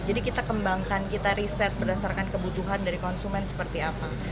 jadi kita kembangkan kita riset berdasarkan kebutuhan dari konsumen seperti apa